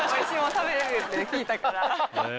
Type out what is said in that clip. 食べれるって聞いたから。